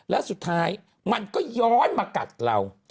แล้วสุดท้ายมันก็ย้อนมากัดเรา